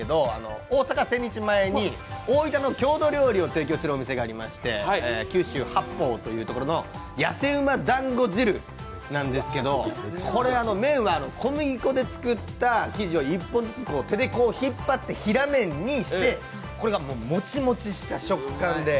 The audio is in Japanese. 大阪・千日前に大分の郷土料理を提供している店がありまして九州八豊というところのやせうまだんご汁なんですけど、これ麺は小麦粉でつくった生地を手で１本ずつ引っ張って平麺にしてこれがもちもちした食感で。